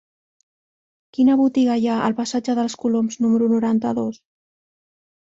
Quina botiga hi ha al passatge dels Coloms número noranta-dos?